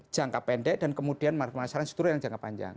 jangka pendek dan kemudian masalah setulah yang jangka panjang